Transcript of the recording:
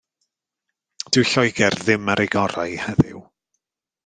Dyw Lloegr ddim ar eu gorau heddiw.